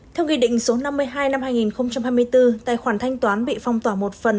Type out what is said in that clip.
theo nghị định số năm mươi hai năm hai nghìn hai mươi bốn tài khoản thanh toán bị phong tỏa một phần